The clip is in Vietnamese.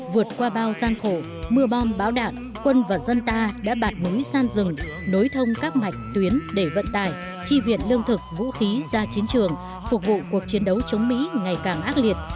vượt qua bao gian khổ mưa bom bão đạn quân và dân ta đã bạt núi san rừng nối thông các mạch tuyến để vận tải chi viện lương thực vũ khí ra chiến trường phục vụ cuộc chiến đấu chống mỹ ngày càng ác liệt